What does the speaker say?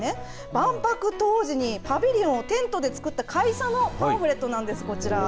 万博当時にパビリオンをテントで作った会社のパンフレットなんです、こちら。